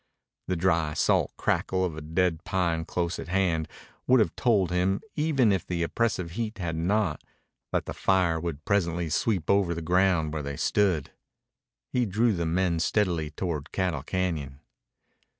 The dry, salt crackle of a dead pine close at hand would have told him, even if the oppressive heat had not, that the fire would presently sweep over the ground where they stood. He drew the men steadily toward Cattle Cañon.